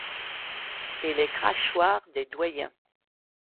Et les crachoirs des doyens!